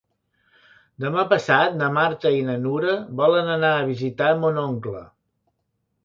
Demà passat na Marta i na Nura volen anar a visitar mon oncle.